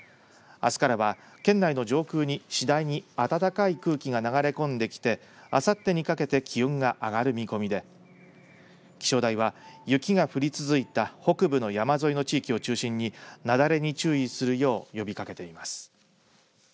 あすからは県内の上空に次第に暖かい空気が流れ込んできてあさってにかけて気温が上がる見込みで気象台は雪が降り続いた北部の山沿いの地域を中心に雪崩に注意するよう呼びかけています。